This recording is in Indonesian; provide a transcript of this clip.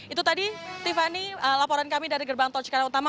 itu tadi tiffany laporan kami dari gerbang tojkarang utama